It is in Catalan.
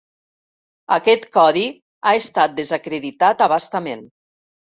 Aquest codi ha estat desacreditat a bastament.